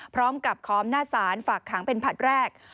พร้อมกับคอมหน้าสารฝากขังเป็นผลัดแรก